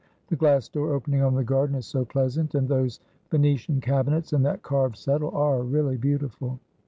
The glass door opening on the garden is so pleasant, and those Venetian cabinets and that carved settle are really beautiful."